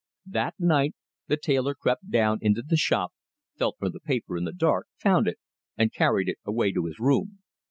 That night the tailor crept down into the shop, felt for the paper in the dark, found it, and carried it away to his room.